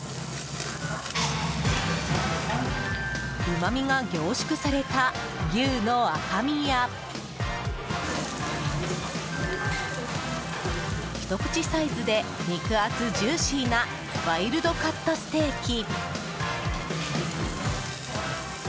うまみが凝縮された牛の赤身やひと口サイズで肉厚ジューシーなワイルドカットステーキ。